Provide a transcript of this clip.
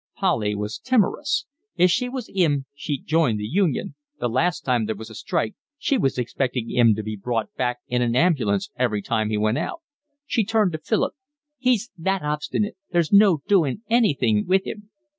Polly was timorous. If she was 'im she'd join the union, the last time there was a strike she was expectin' 'im to be brought back in an ambulance every time he went out. She turned to Philip. "He's that obstinate, there's no doing anything with 'im."